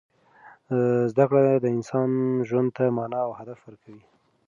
زده کړه د انسان ژوند ته مانا او هدف ورکوي.